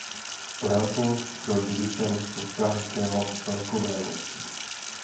Leopold byl dědicem Toskánského velkovévodství.